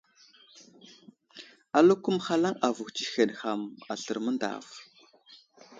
Aləko məhalaŋ avohw tsəhed ham aslər məŋdav.